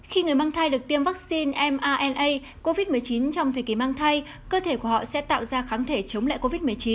khi người mang thai được tiêm vaccine covid một mươi chín trong thời kỳ mang thai cơ thể của họ sẽ tạo ra kháng thể chống lại covid một mươi chín